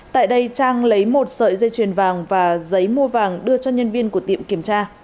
tại đây trang lấy một sợi dây chuyền vàng và giấy mua vàng đưa cho nhân viên của tiệm kiểm tra